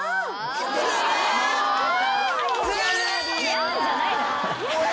「やん」じゃないのよ。